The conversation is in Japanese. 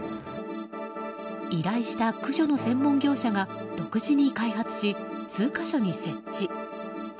依頼した駆除の専門業者が独自に開発し数か所に設置。